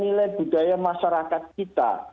nilai budaya masyarakat kita